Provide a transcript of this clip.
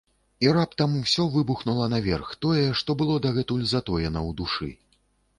І раптам усё выбухнула наверх, тое, што было дагэтуль затоена ў душы.